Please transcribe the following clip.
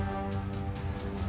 kalawan tanpa tanda